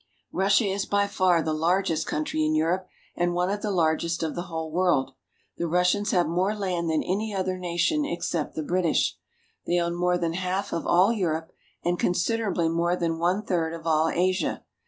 Russia is by far the largest country in Europe, and one of the largest of the whole world. The Russians have more land than any other nation except the British. They own more than half of all Europe, and considerably more than one third of all Asia.